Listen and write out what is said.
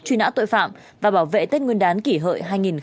truy nã tội phạm và bảo vệ tết nguyên đán kỷ hợi hai nghìn một mươi chín